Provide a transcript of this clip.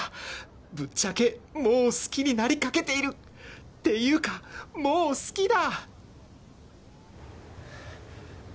ぶっちゃけもう好きになりかけているっていうかもう好きだ！